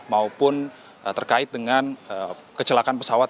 maupun terkait dengan kecelakaan pesawat